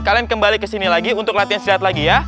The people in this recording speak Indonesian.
kalian kembali kesini lagi untuk latihan silat lagi ya